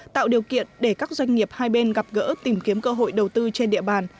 tạo điều kiện để các doanh nghiệp hai bên gặp gỡ tìm kiếm cơ hội đầu tư trên địa bàn